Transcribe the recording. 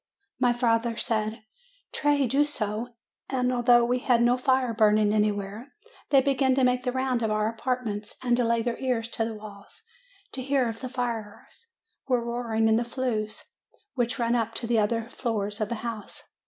My father said, 'Tray do so." And although we had no fire burning anywhere, they began to make the round of our apartments, and to lay their ears to the walls, to hear if the fire were roaring in the flues which run up to the other floors of the house.